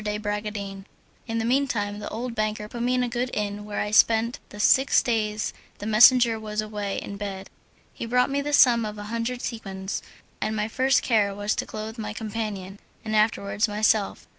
de Bragadin. In the mean time the old banker put me in a good inn where I spent the six days the messenger was away in bed. He brought me the sum of a hundred sequins, and my first care was to clothe my companion, and afterwards myself.